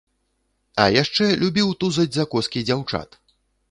А яшчэ любіў тузаць за коскі дзяўчат.